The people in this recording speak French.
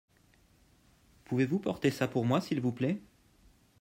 Pouvez-vous porter ça pour moi s'il vous plait.